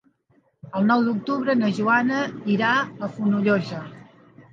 El nou d'octubre na Joana irà a Fonollosa.